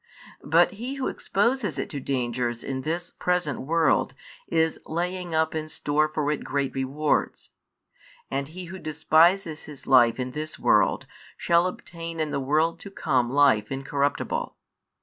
But he who exposes it to dangers in this present world is laying up in store for it great rewards. And he who despises his life in this world shall obtain in the world to come life incorruptible.